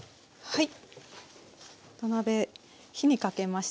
はい。